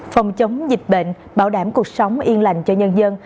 phòng chống dịch bệnh bảo đảm cuộc sống yên lành cho nhân dân